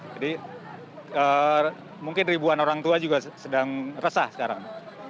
mungkin ribuan orang tua juga sedang resah sekarang